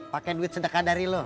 pakai duit sedekah dari lo